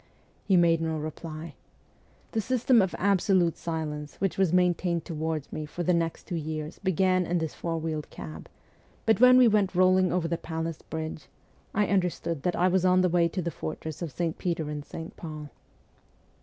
He made no reply. The system of absolute silence which was maintained toward me for the next two years began in this four wheeled cab ; but when we went rolling over the Palace Bridge I understood that I was taken to the fortress of St. Peter and St. Paul.